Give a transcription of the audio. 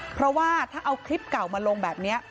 เพราะว่าถ้าเอาคลิปเก่ามาลงแบบนี้